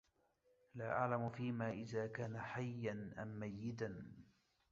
لا أعلم فيما إذا كان حيا أم ميتا.